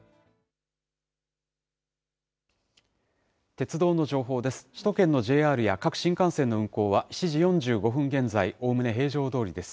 鉄道の情報です。